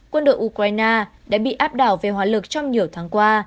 quân đội ukraine đã bị áp đảo về hòa lực trong nhiều tháng qua